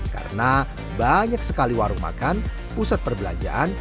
karena banyak sekali warung makan pusat perbelanjaan